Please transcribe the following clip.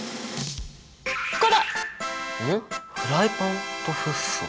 フライパンとフッ素？